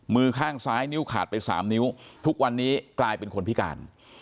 มือข้างซ้ายนิ้วขาดไป๓นิ้วทุกวันนี้กลายเป็นคนพิการ